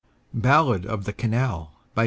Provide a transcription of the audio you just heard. Ballad of the Canal [Ed.